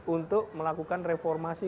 untuk melakukan reformasi